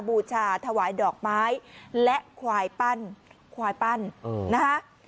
บูชาถวายดอกไม้และควายปั้นควายปั้นนะคะ